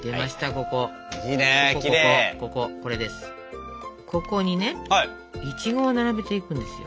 ここにねいちごを並べていくんですよ。